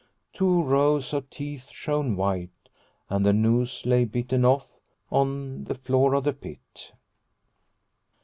Two rows of teeth shone white, and the noose lay bitten off on the floor of the pit.